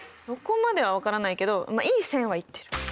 そこまでは分からないけどまあいい線はいってる。